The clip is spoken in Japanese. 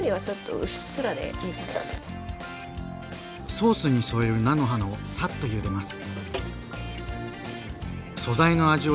ソースにそえる菜の花をサッとゆでます。